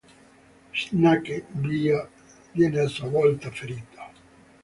Snake viene a sua volta ferito.